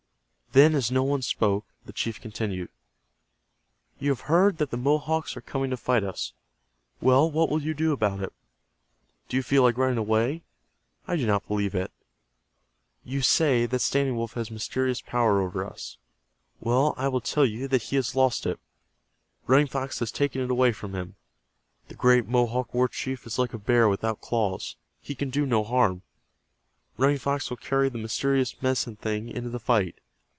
Then as no one spoke, the chief continued. "You have heard that the Mohawks are coming to fight us. Well, what will you do about it? Do you feel like running away? I do not believe it. You say that Standing Wolf has mysterious power over us. Well, I will tell you that he has lost it. Running Fox has taken it away from him. The great Mohawk war chief is like a bear without claws. He can do no harm. Running Fox will carry the mysterious Medicine Thing into the fight.